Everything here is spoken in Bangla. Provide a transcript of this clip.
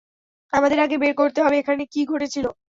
আমাদের আগে বের করতে হবে এখানে কি ঘটেছিল।